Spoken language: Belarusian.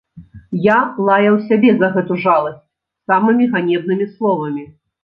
Я лаяў сябе за гэту жаласць самымі ганебнымі словамі.